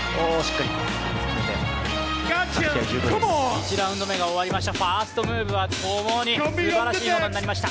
１ラウンド目が終わりましたファーストムーブは共にすばらしいものになりました。